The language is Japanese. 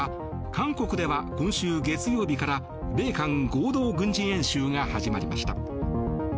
韓国では今週月曜日から米韓合同軍事演習が始まりました。